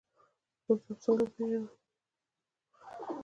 خپل رب څنګه وپیژنو؟